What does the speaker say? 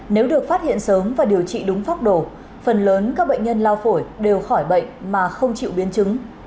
nếu được phát hiện sớm và điều trị đúng pháp đồ phần lớn các bệnh nhân lao phổi đều khỏi bệnh mà không chịu biến chứng